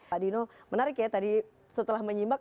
pak dino menarik ya tadi setelah menyimak